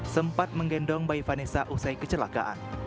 sempat menggendong bayi vanessa usai kecelakaan